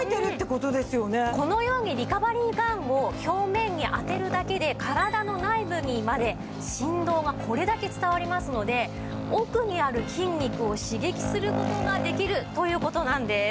このようにリカバリーガンを表面に当てるだけで体の内部にまで振動がこれだけ伝わりますので奥にある筋肉を刺激する事ができるという事なんです。